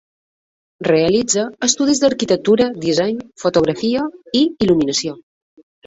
Realitza estudis d'arquitectura, disseny, fotografia i il·luminació.